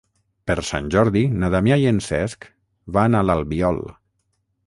Per Sant Jordi na Damià i en Cesc van a l'Albiol.